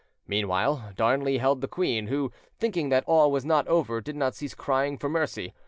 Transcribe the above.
Meanwhile Darnley held the queen, who, thinking that all was not over, did not cease crying for mercy.